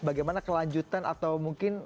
bagaimana kelanjutan atau mungkin